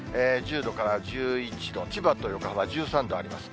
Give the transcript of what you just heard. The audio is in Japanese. １０度から１１度、千葉と横浜１３度あります。